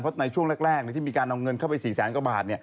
เพราะในช่วงแรกที่มีการเอาเงินเข้าไป๔แสนกว่าบาท